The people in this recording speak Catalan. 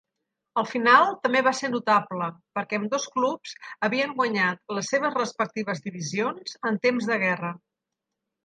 La final també va ser notable perquè ambdós clubs havien guanyat les seves respectives divisions en temps de guerra.